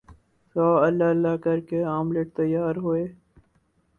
سو اللہ اللہ کر کے آملیٹ تیار ہوئے